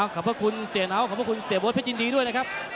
ขอบคุณเสียหนาวขอบคุณเสียบวชเพชรยินดีด้วยนะครับ